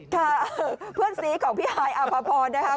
ค่ะเพื่อนซีของพี่ฮายอภพรนะคะ